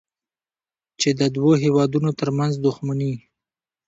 چې د دوو هېوادونو ترمنځ دوښمني